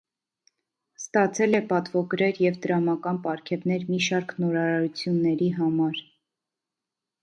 Ստացել է պատվոգրեր և դրամական պարգևներ մի շարք նորարարությունների համար։